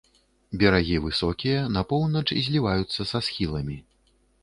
Берагі высокія, на поўнач зліваюцца са схіламі.